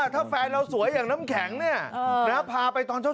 ถ้าแฟนเราสวยอย่างน้ำแข็งพาไปตอนเช้า